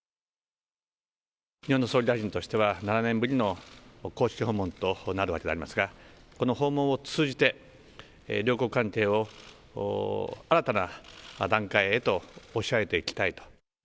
日本の総理大臣としては、７年ぶりの公式訪問となるわけでありますが、この訪問を通じて、両国関係を新たな段階へと押し上げていきたいと。